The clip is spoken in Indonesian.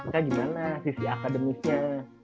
kak gimana sisi akademisnya